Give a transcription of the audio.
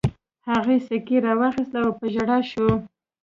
هغې سيکې را واخيستې او په ژړا شوه.